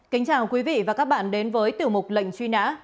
kính chào quý vị và các bạn đến với tiểu mục lệnh truy nã